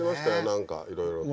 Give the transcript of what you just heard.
何かいろいろと。